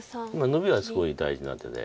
ノビはすごい大事な手で。